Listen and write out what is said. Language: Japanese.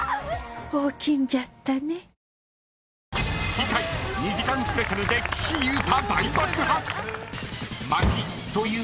［次回２時間スペシャルで岸優太大爆発！］